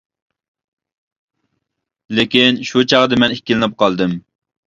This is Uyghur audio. لېكىن. شۇ چاغدا مەن ئىككىلىنىپ قالدىم.